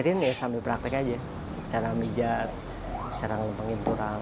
diajarin ya sambil praktik aja cara menjajat cara mempenginturang